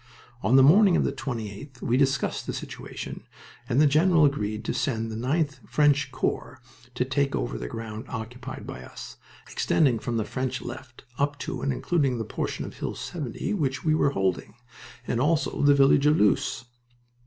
On the morning of the 28th we discussed the situation, and the general agreed to send the 9th French Corps to take over the ground occupied by us, extending from the French left up to and including that portion of Hill 70 which we were holding, and also the village of Loos.